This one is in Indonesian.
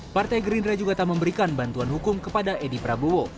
partai gerindra juga tak memberikan bantuan hukum kepada edi prabowo